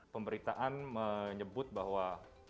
pemberitaan menyebut bahwa